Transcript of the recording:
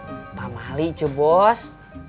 bukan mali cuy bos